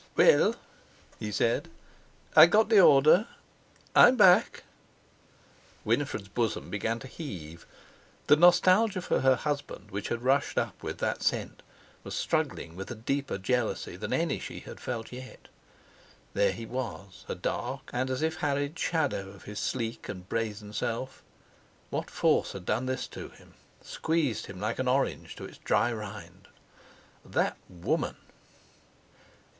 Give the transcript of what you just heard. "Well!" he said, "I got the order. I'm back." Winifred's bosom began to heave. The nostalgia for her husband which had rushed up with that scent was struggling with a deeper jealousy than any she had felt yet. There he was—a dark, and as if harried, shadow of his sleek and brazen self! What force had done this to him—squeezed him like an orange to its dry rind! That woman!